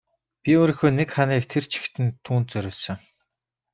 Би өрөөнийхөө нэг ханыг тэр чигт нь түүнд зориулсан.